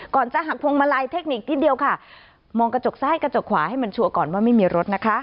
จะหักพวงมาลัยเทคนิคนิดเดียวค่ะมองกระจกซ้ายกระจกขวาให้มันชัวร์ก่อนว่าไม่มีรถนะคะ